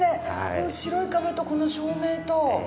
この白い壁とこの照明と。